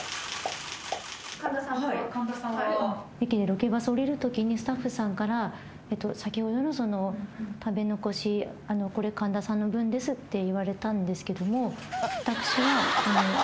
ロケバス降りるときにスタッフさんから「先ほどの食べ残し。これ神田さんの分です」って言われたんですけども「私はいいです」って言って。